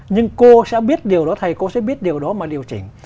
nhưng cô sẽ biết điều đó thầy cô sẽ biết điều đó mà điều chỉnh